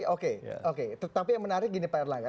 oke tapi yang menarik gini pak erlangga